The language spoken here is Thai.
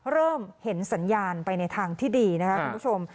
เริ่มเห็นสัญญาณไปในทางที่ดีนะครับคุณผู้ชม